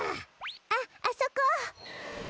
あっあそこ！